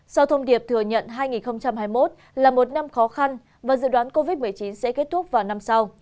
sau thông điệp thừa nhận hai nghìn hai mươi một là một năm khó khăn và dự đoán covid một mươi chín sẽ kết thúc vào năm sau